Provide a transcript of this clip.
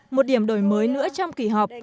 một điểm đổi mới nữa trong kỳ họp